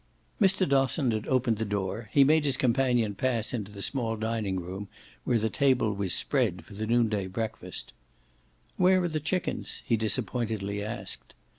Mr. Dosson had opened the door; he made his companion pass into the small dining room where the table was spread for the noonday breakfast. "Where are the chickens?" he disappointedly asked.